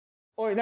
何？